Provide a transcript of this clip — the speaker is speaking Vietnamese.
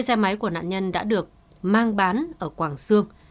xe máy của nạn nhân đã được mang bán ở quảng xương